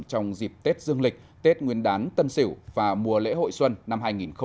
trong dịp tết dương lịch tết nguyên đán tân sỉu và mùa lễ hội xuân năm hai nghìn hai mươi một